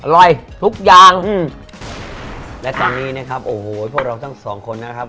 อร่อยทุกอย่างและตอนนี้นะครับโอ้โหพวกเราทั้งสองคนนะครับ